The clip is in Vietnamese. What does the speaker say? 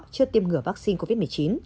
chưa tiêm ngửa vaccine covid một mươi chín